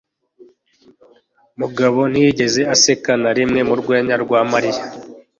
Mugabo ntiyigeze aseka na rimwe mu rwenya rwa Mariya.